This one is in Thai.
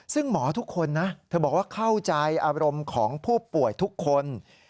ซึ่งหมอทุกคนนะเธอบอกว่าเข้าใจอารมณ์ของผู้ป่วยทุกคน